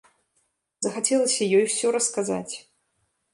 Захацелася ёй усё расказаць.